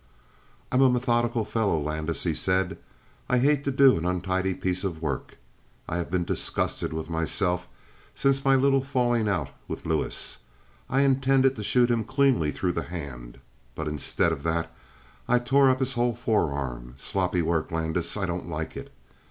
"I'm a methodical fellow, Landis," he said. "I hate to do an untidy piece of work. I have been disgusted with myself since my little falling out with Lewis. I intended to shoot him cleanly through the hand, but instead of that I tore up his whole forearm. Sloppy work, Landis. I don't like it.